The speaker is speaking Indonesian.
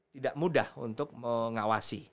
tidak mudah untuk mengawasi